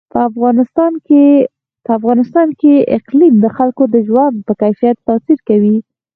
په افغانستان کې اقلیم د خلکو د ژوند په کیفیت تاثیر کوي.